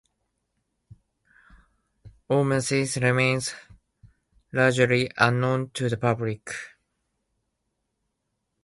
Hormesis remains largely unknown to the public.